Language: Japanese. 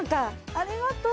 ありがとう！